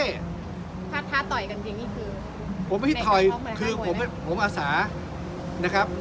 ถ้าต่อยกันเพียงนี้คือผมไม่ท่อยคือผมอาศานะครับ